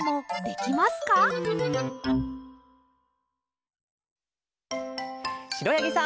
くろやぎさん。